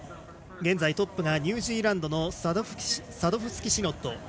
現在トップがニュージーランドのサドフスキシノット。